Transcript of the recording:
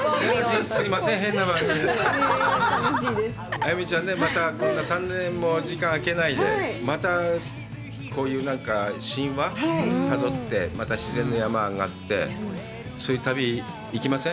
彩芽ちゃんね、３年も時間をあけないで、またこういう神話たどって、また自然の山、上がって、そういう旅、行きません？